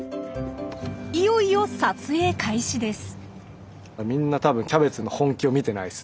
いよいよ撮影開始です。